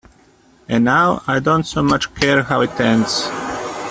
And now I don't so much care how it ends.